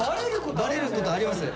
バレることあります。